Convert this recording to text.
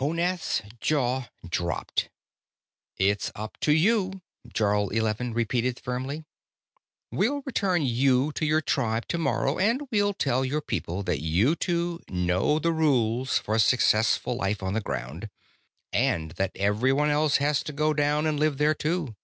Honath's jaw dropped. "It's up to you," Jarl Eleven repeated firmly. "We'll return you to your tribe tomorrow, and we'll tell your people that you two know the rules for successful life on the ground and that everyone else has to go down and live there too.